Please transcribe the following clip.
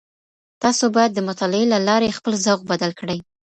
تاسو بايد د مطالعې له لاري خپل ذوق بدل کړئ.